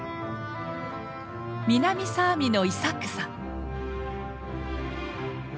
南サーミのイサックさん。